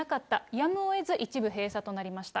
やむをえず一部閉鎖となりました。